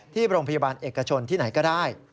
ที่โรงพยาบาลเอกชนที่ไหนก็ได้